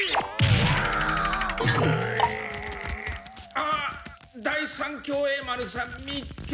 あっ第三協栄丸さん見っけ！